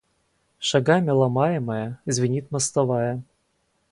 Шагами ломаемая, звенит мостовая.